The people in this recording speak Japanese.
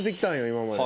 今まで。